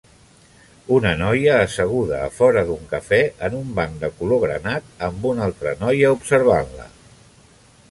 Una noia asseguda a fora d'un cafè en un banc de color granat amb una altra noia observant-la.